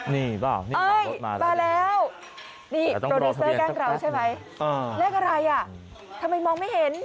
นี่เปล่ารถมาแล้วแต่ต้องรอทะเบียนแลกอะไรทำไมมองไม่เห็น